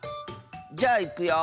じゃあいくよ。